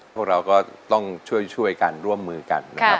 พวกเราก็ต้องช่วยกันร่วมมือกันนะครับ